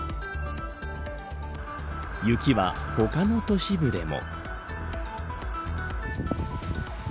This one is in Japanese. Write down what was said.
雪は他の都市部でも。